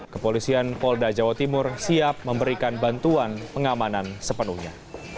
kepolisian polda jawa timur siap memberikan bantuan pengamanan sepenuhnya